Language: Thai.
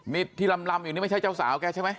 นี่ที่ลำอยู่นี่ไม่ใช่เจ้าสาวแกใช่ไหม